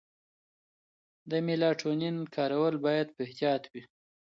د میلاټونین کارول باید په احتیاط وي.